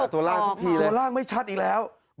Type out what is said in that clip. ตัวร่างอีกแล้ว